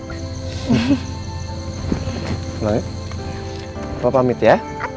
kalo misalkan aku gak ajakin sahabatnya dengan baik